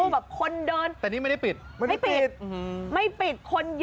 แบบคนเดินไม่ปิดไม่ปิดคนเยอะค่ะแต่นี่ไม่ได้ปิด